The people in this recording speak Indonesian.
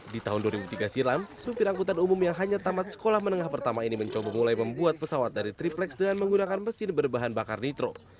di tahun dua ribu tiga silam supir angkutan umum yang hanya tamat sekolah menengah pertama ini mencoba mulai membuat pesawat dari triplex dengan menggunakan mesin berbahan bakar nitro